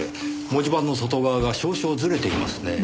文字盤の外側が少々ずれていますねぇ。